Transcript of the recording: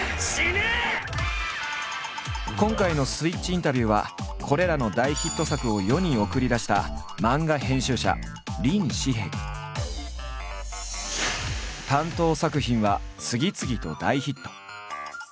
今回の「スイッチインタビュー」はこれらの大ヒット作を世に送り出した担当作品は次々と大ヒット。